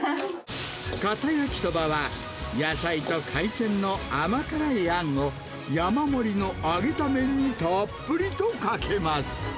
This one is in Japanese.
かた焼きそばは、野菜と海鮮の甘辛いあんを、山盛りの上げた麺にたっぷりとかけます。